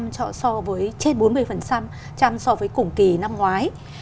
trên bốn mươi so với cùng kỳ năm ngoái